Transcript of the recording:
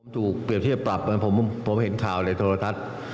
ถูกเปรียบเทียบปรับผมเห็นข่าวเลยโทรทัศน์